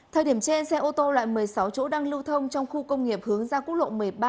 thời điểm trên xe ô tô loại một mươi sáu chỗ đang lưu thông trong khu công nghiệp hướng ra quốc lộ một mươi ba